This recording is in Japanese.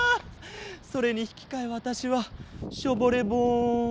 それにひきかえわたしはショボレボン。